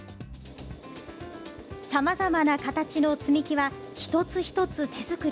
さまざまな形の積み木は一つ一つ手作り。